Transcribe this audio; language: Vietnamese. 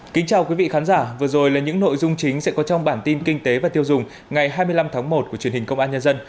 kính chào quý vị khán giả vừa rồi là những nội dung chính sẽ có trong bản tin kinh tế và tiêu dùng ngày hai mươi năm tháng một của truyền hình công an nhân dân